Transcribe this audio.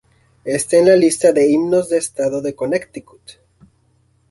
Está en la lista de Himnos de Estado de Connecticut.